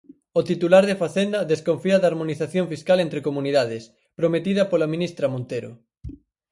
O titular de Facenda desconfía da harmonización fiscal entre comunidades, prometida pola ministra Montero.